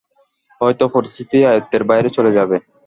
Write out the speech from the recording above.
হয়ত পরিস্থিতি আয়ত্তের বাইরে চলে যাবে।